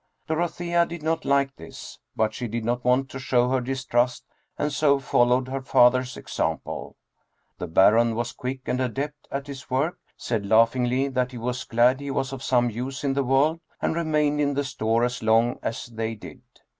Dorothea did not like this, but she did not want to show her distrust and so followed her father's example. The Baron was quick and adept at his work, said laugh ingly that he was glad he was of some use in the world, and remained in the store as long as they did.